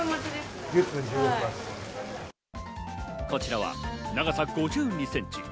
こちらは長さ５２センチ。